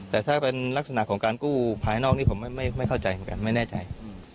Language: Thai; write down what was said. แต่ถ้าเป็นลักษณะของการกู้ภายนอกนี่ผมไม่เข้าใจเหมือนกันไม่แน่ใจ